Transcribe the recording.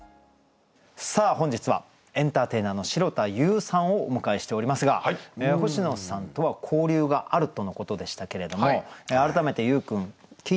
さあ本日はエンターテイナーの城田優さんをお迎えしておりますが星野さんとは交流があるとのことでしたけれども改めて優君聞いてみたいことがあるということなんですが。